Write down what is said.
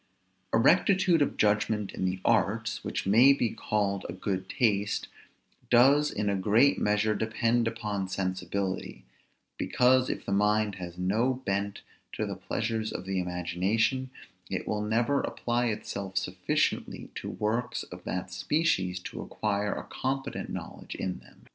A rectitude of judgment in the arts, which may be called a good taste, does in a great measure depend upon sensibility; because if the mind has no bent to the pleasures of the imagination, it will never apply itself sufficiently to works of that species to acquire a competent knowledge in them.